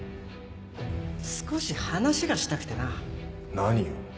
少し話がしたくてな。何を？